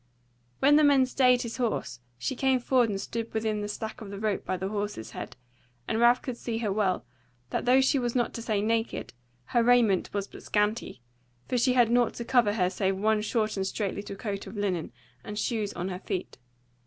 When the man stayed his horse she came forward and stood within the slack of the rope by the horse's head, and Ralph could see her well, that though she was not to say naked, her raiment was but scanty, for she had nought to cover her save one short and strait little coat of linen, and shoes on her feet.